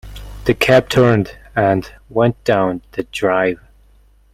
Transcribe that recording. The cab turned and went down the drive.